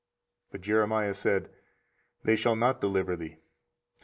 24:038:020 But Jeremiah said, They shall not deliver thee.